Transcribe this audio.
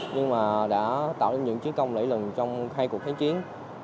nhưng mà đã tạo ra những chiến công lễ lần trong hai cuộc kháng chiến